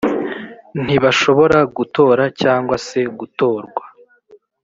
ntibashobora gutora cyangwa se gutorwa